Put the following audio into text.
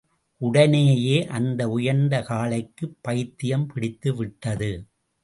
உடனேயே அந்த உயர்ந்த காளைக்குப் பைத்தியம் பிடித்துவிட்டது.